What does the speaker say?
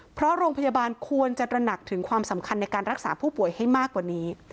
เพราะโรงพยาบาลควรจะตระหนักถึงความสำคัญในการรักษาผู้ป่วยให้มากกว่านี้